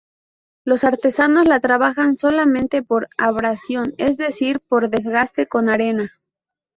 Los artesanos la trabajan solamente por abrasión, es decir, por desgaste con arena.